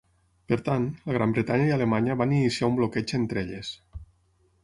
Per tant, la Gran Bretanya i Alemanya van iniciar un bloqueig entre elles.